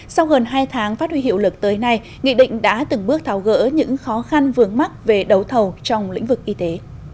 sau gần hai tháng phát huy hiệu lực tới nay nghị định đã từng bước tháo gỡ những khó khăn vướng mắt về đấu thầu trong lĩnh vực y tế